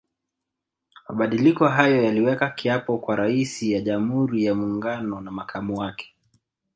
Mabadiliko hayo yaliweka kiapo kwa Raisi wa Jamhuri ya Muungano na makamu wake